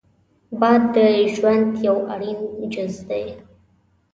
باد د ژوند یو اړین جز دی